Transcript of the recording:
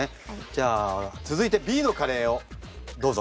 じゃあ続いてＢのカレーをどうぞ。